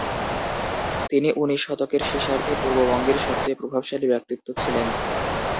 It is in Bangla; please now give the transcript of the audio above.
তিনি উনিশ শতকের শেষার্ধে পূর্ববঙ্গের সবচেয়ে প্রভাবশালী ব্যক্তিত্ব ছিলেন।